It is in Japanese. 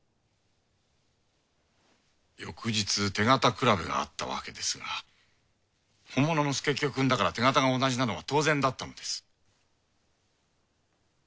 翌日手形比べがあったわけですが本物の佐清くんだから手形が同じなのは当然だったのです。